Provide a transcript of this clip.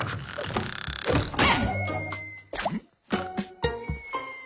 ん？